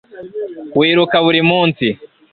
wiruka buri munsi